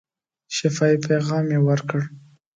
شفاهي پیغام یې ورکړ.